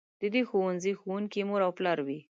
د دې ښوونځي ښوونکي مور او پلار وي.